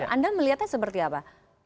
anda melihatnya seperti apa